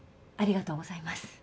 ありがとうございます。